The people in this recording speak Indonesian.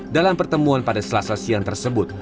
dalam pertemuan pada selasa siang tersebut